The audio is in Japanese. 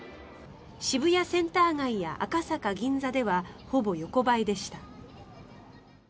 渋谷センター街や赤坂、銀座ではほぼ横ばいでした。